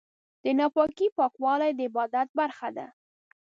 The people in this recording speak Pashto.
د ناپاکۍ پاکوالی د عبادت برخه ده.